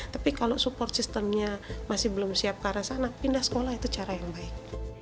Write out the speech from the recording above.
tapi kalau support systemnya masih belum siap ke arah sana pindah sekolah itu cara yang baik